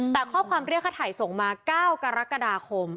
แต่ข้อความเรียกค่าถ่ายส่งมา๙กรกฎาคม